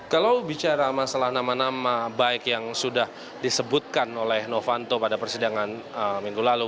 kalau bicara masalah nama nama baik yang sudah disebutkan oleh novanto pada persidangan minggu lalu